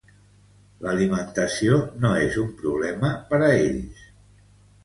L'alimentació no és un problema per a ells.